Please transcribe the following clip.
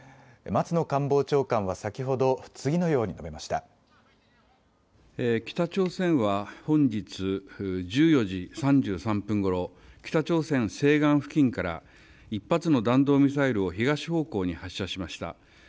松野官房長官は先ほど、次のよう北朝鮮は本日１４時３３分ごろ、北朝鮮西岸付近から、１発の弾道ミサイルを東方向に発射しました。